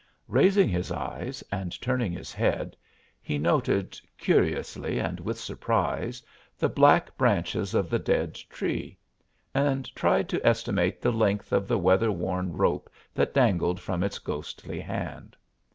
Raising his eyes and turning his head, he noted, curiously and with surprise, the black branches of the dead tree, and tried to estimate the length of the weather worn rope that dangled from its ghostly hand.